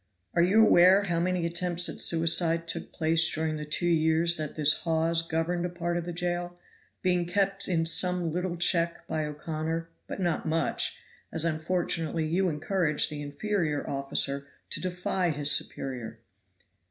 Are you aware how many attempts at suicide took place during the two years that this Hawes governed a part of the jail, being kept in some little check by O'Connor, but not much, as unfortunately you encouraged the inferior officer to defy his superior?